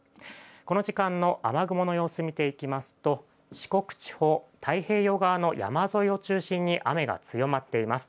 この時間の雨雲の様子、見ていきますと、四国地方、太平洋側の山沿いを中心に雨が強まっています。